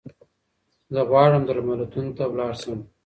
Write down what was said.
زه غواړم درملتون ته لاړشم